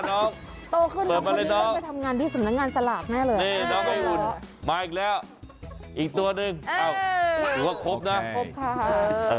โตขึ้นก็คือเริ่มไปทำงานนี้สำรับงานสลากแน่เลย